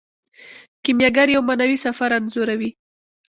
کیمیاګر یو معنوي سفر انځوروي.